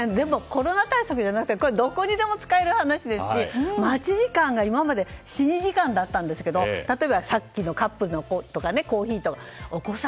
コロナ対策じゃなくてどこでも使える話ですし待ち時間が今まで死に時間だったんですがさっきのカップルとかコーヒーとか。